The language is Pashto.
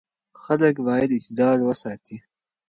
خلک باید اعتدال وساتي.